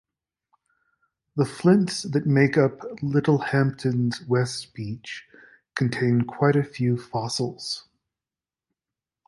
The flints that make up Littlehampton's West Beach contain quite a few fossils.